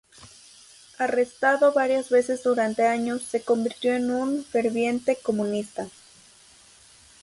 Arrestado varias veces durante años, se convirtió en un ferviente comunista.